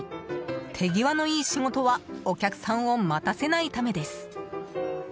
手際のいい仕事はお客さんを待たせないためです。